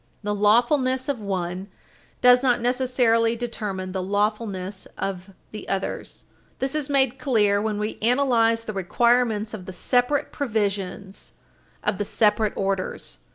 T he lawfulness of one does not necessarily determine the lawfulness of the others. This is made clear Page 323 U. S. 222 when we analyze the requirements of the separate provisions of the separate orders.